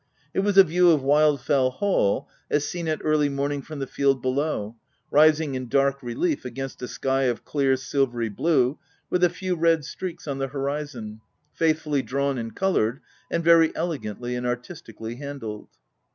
It was a view of Wild fell Hall, as seen at early morning from the field below, rising in dark relief against a sky of clear silvery blue, with a few red streaks on the hori zon, faithfully drawn and coloured, and very elegantly and artistically handled.